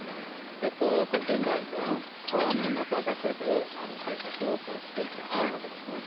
従来は川の中だけで対策をしていたわけですね。